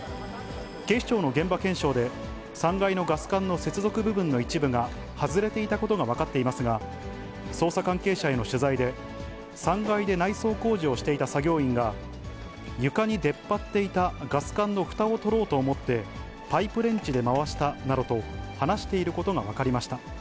警視庁の現場検証で、３階のガス管の接続部分の一部が外れていたことが分かっていますが、捜査関係者への取材で、３階で内装工事をしていた作業員が、床に出っ張っていたガス管のふたを取ろうと思ってパイプレンチで回したなどと話していることが分かりました。